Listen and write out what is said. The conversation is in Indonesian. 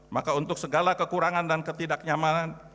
maka untuk segala kekurangan dan ketidaknyamanan